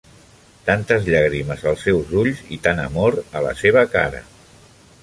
Tantes llàgrimes als seus ulls, i tant amor a la seva cara.